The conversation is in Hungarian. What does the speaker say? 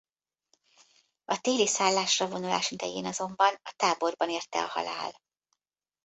A téli szállásra vonulás idején azonban a táborban érte a halál.